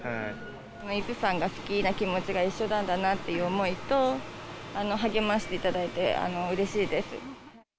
伊豆山が好きな気持ちが一緒なんだなっていう思いと、励ましていただいて、うれしいです。